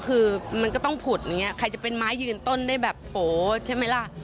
คือมันก็ต้องผุดอย่างนี้ใครจะเป็นไม้ยืนต้นได้แบบโผล่ใช่ไหมล่ะ